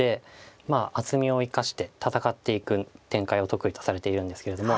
まあ厚みを生かして戦っていく展開を得意とされているんですけれども。